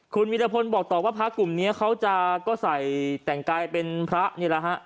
คุณวิรพลบอกต่อว่าพระกลุ่มนี้เขาจะก็ใส่แต่งกายเป็นพระนี่แหละฮะ